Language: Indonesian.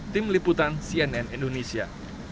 tim liputan cnn indonesia